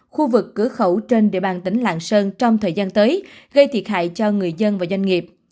khu vực cửa khẩu trên địa bàn tỉnh lạng sơn trong thời gian tới gây thiệt hại cho người dân và doanh nghiệp